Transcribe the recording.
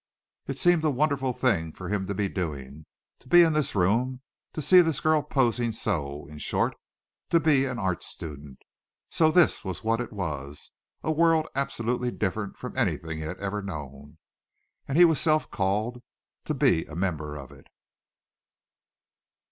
It seemed a wonderful thing for him to be doing to be in this room, to see this girl posing so; in short, to be an art student. So this was what it was, a world absolutely different from anything he had ever known. And he was self called to be a member of it.